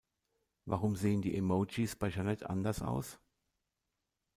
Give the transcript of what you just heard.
Warum sehen die Emojis bei Jeanette anders aus?